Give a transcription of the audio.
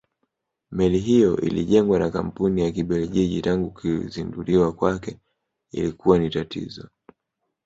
Meli hiyo ilijengwa na kampuni ya Kibelgiji tangu kuzinduliwa kwake ilikuwa na tatizo